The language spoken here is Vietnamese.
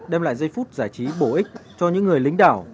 đem lại giây phút giải trí bổ ích cho những người lính đảo